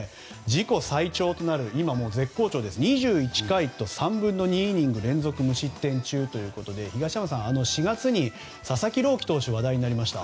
自己最長となる２１回と３分の２イニングこれを連続無失点中ということで東山さん、４月に佐々木朗希投手が話題になりました。